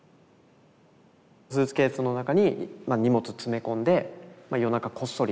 スーツケースの中に荷物詰め込んで夜中こっそり